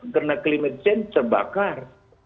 karena climate change terbakar